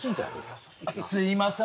今すいません